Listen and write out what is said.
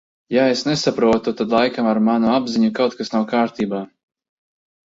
Ja es nesaprotu, tad laikam ar manu apziņu kaut kas nav kārtībā.